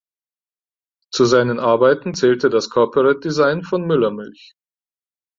Zu seinen Arbeiten zählte das Corporate Design von Müller Milch.